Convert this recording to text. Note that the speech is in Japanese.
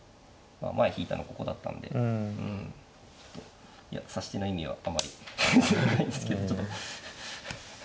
前引いたのここだったんでちょっと指し手の意味はあまりないんですけどちょっと。